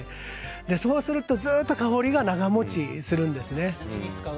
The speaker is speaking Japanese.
そうすると、ずっと香りが長もちするんですね。